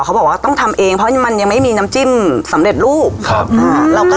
เขาบอกว่าต้องทำเองเพราะมันยังไม่มีน้ำจิ้มสำเร็จรูปครับอ่าเราก็